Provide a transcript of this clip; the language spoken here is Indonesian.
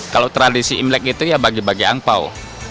kalau tradisi imlek itu ya bagi bagi angpao